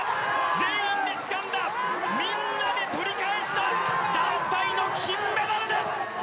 全員でつかんだみんなで取り返した団体の金メダルです！